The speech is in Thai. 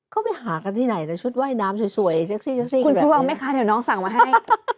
เข้าไปหากันที่ไหนชุดมานนำสวย